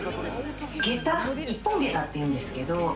下駄、一本下駄って言うんですけど。